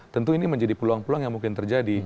tentu ini menjadi peluang peluang yang mungkin terjadi